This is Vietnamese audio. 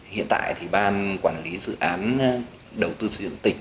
hiện tại thì ban quản lý dự án đầu tư xây dựng tỉnh